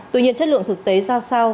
tuy nhiên chất lượng thực tế ra sao